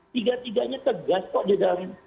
tiga tiganya tegas kok di dalam ini